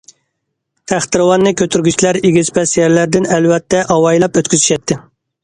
تەختىراۋاننى كۆتۈرگۈچىلەر ئېگىز- پەس يەرلەردىن ئەلۋەتتە ئاۋايلاپ ئۆتكۈزۈشەتتى.